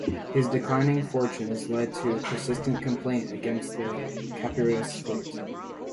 His declining fortunes led to persistent complaint against capricious Fate.